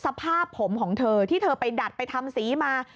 สภาพผมของเธอที่เธอไปดัดไปทำสีมา